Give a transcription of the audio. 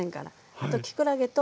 あときくらげと。